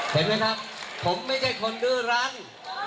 เห็นไหมครับผมไม่ใช่คนดื้อรัน